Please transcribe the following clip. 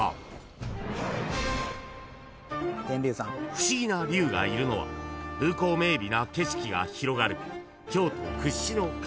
［不思議な龍がいるのは風光明媚な景色が広がる京都屈指の観光地］